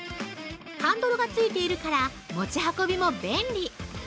ハンドルがついているから、持ち運びも便利。